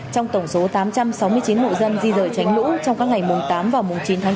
trong tổng số tám trăm sáu mươi chín hộ dân di rời tránh lũ trong các ngày mùng tám và mùng chín tháng chín